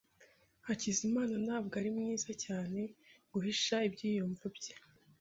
Hakizimana ntabwo ari mwiza cyane guhisha ibyiyumvo bye.